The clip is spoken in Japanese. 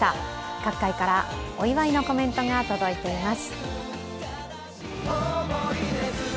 各界からお祝いのコメントが届いています。